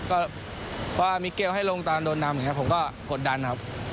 เพราะว่ามิเกลให้ลงตอนโดนนำผมก็กดดันครับ